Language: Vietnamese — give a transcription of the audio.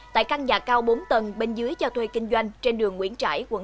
tại căn nhà cao bốn tầng bên dưới cho thuê kinh doanh trên đường nguyễn trãi quận tám